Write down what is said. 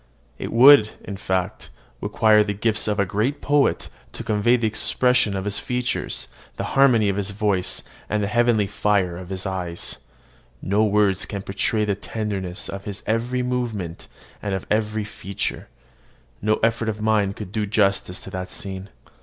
It would, in fact, require the gifts of a great poet to convey the expression of his features, the harmony of his voice, and the heavenly fire of his eye. No words can portray the tenderness of his every movement and of every feature: no effort of mine could do justice to the scene.